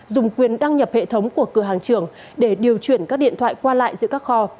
dùng quyền đăng nhập hệ thống của cửa hàng trưởng để điều chuyển các điện thoại qua lại giữa các kho